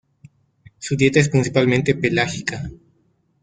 Su dieta es principalmente pelágica.